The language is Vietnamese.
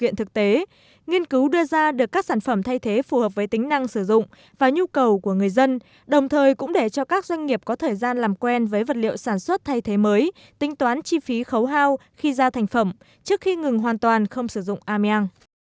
nghiên cứu đưa ra được các sản phẩm thay thế phù hợp với tính năng sử dụng và nhu cầu của người dân đồng thời cũng để cho các doanh nghiệp có thời gian làm quen với vật liệu sản xuất thay thế mới tính toán chi phí khấu hao khi ra thành phẩm trước khi ngừng hoàn toàn không sử dụng ameang